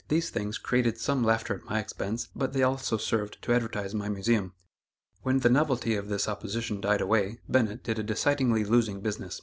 These things created some laughter at my expense, but they also served to advertise my Museum. When the novelty of this opposition died away, Bennett did a decidedly losing business.